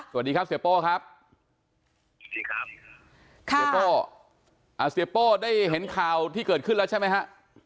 สวัสดีครับเสียโป้ครับสวัสดีครับค่ะเสียโป้อ่าเสียโป้ได้เห็นข่าวที่เกิดขึ้นแล้วใช่ไหมฮะ